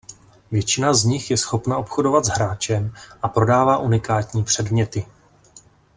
Většina z nich je schopna obchodovat s hráčem a prodává unikátní předměty.